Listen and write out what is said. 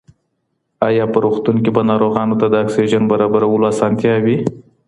ایا په روغتون کې به ناروغانو ته د اکسیجن برابرولو اسانتیا وي؟